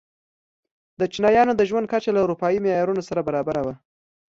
د چینایانو د ژوند کچه له اروپايي معیارونو سره برابره وه.